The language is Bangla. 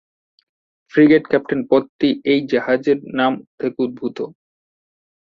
ফ্রিগেট ক্যাপ্টেন পদটি এই ধরনের জাহাজের নাম থেকে উদ্ভূত।